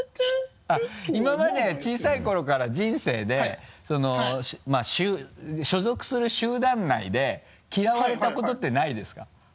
今まで小さい頃から人生で所属する集団内で嫌われたことってないですか？